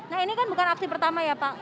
nah ini kan bukan aksi pertama ya pak